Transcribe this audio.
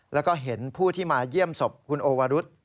แล้วก็เห็นผู้ที่มาเยี่ยมศพคุณโอวรุษ